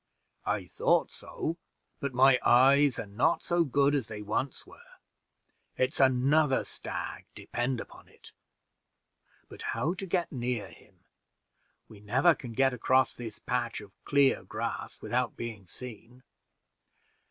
"I thought so, but my eyes are not so good as they once were. It's another stag, depend upon it; but how are we to get near him? We never can get across this patch of clear grass without being seen."